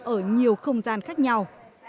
ở nhiều không gian khác nhau